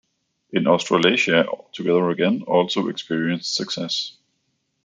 In Australasia, "Together Again" also experienced success.